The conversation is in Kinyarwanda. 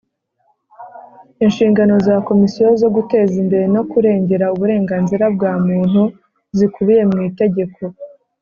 Inshingano za komisiyo zo guteza imbere no kurengera uburenganzira bwa muntu zikubiye mu itegeko